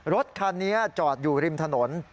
รถคันนี้จอดอยู่ริมถนน